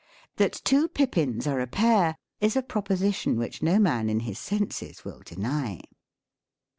*' That two pippins! are a pair, is a proposition which no man in his senses will deny."